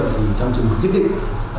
do vậy trong trường hợp tiếp tục